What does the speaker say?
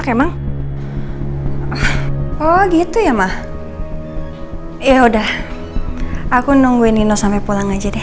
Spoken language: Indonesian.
nanti nungguin nino sampe pulang aja deh